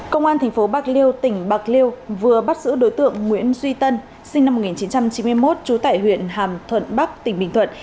công an tp bạc liêu tỉnh bạc liêu vừa bắt giữ đối tượng nguyễn duy tân sinh năm một nghìn chín trăm chín mươi một trú tại huyện hàm thuận bắc tỉnh bình thuận